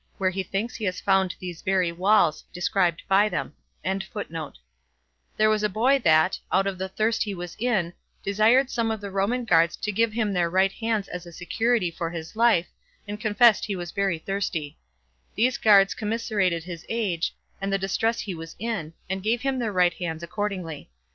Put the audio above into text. But as for those priests that kept themselves still upon the wall of the holy house,26 there was a boy that, out of the thirst he was in, desired some of the Roman guards to give him their right hands as a security for his life, and confessed he was very thirsty. These guards commiserated his age, and the distress he was in, and gave him their right hands accordingly.